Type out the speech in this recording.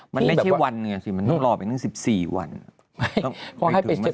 มันไม่ใช่วันหนึ่งสิมันต้องรอไปตั้ง๑๔วัน